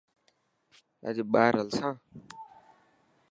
اڄ ٻاهر هلسان؟